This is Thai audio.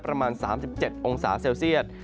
ประมาณ๓๗องศาเซลเซียต